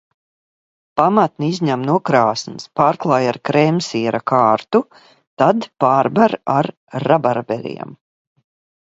Pamatni izņem no krāsns, pārklāj ar krēmsiera kārtu, tad pārber ar rabarberiem.